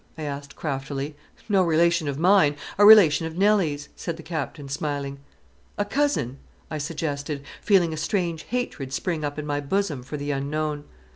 I asked craftily. "No relation of mine a relation of Nelly's," said the Captain, smiling. "A cousin," I suggested, feeling a strange hatred spring up in my bosom for the unknown.